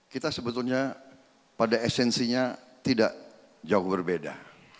kita sebetulnya pada esensinya tidak jauh berbeda